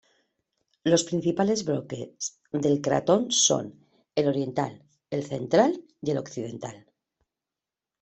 Los principales bloques del cratón son el oriental, el central y el occidental.